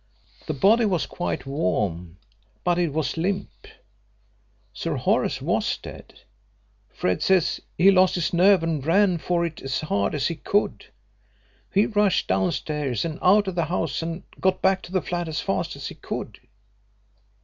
The body was quite warm, but it was limp. Sir Horace was dead. Fred says he lost his nerve and ran for it as hard as he could. He rushed down stairs and out of the house and got back to the flat as fast as he could.